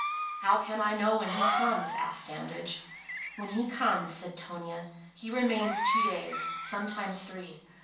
"How can I know when he comes?" asked Sandridge. "When he comes," said Tonia, "he remains two days, sometimes three.